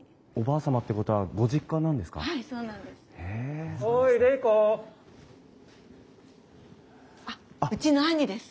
あっうちの兄です。